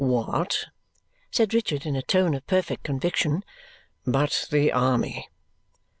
"What," said Richard, in a tone of perfect conviction, "but the army!"